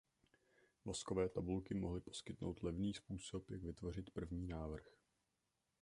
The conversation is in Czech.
Voskové tabulky mohly poskytnout levný způsob jak vytvořit první návrh.